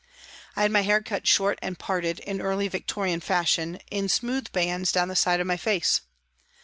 I had my hair cut short and parted, in early Victorian fashion, in smooth bands down the side of my face.